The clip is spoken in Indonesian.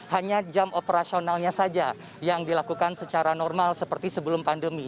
hanya jam operasionalnya saja yang dilakukan secara normal seperti sebelum pandemi